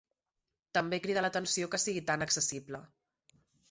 També crida l'atenció que sigui tant accessible.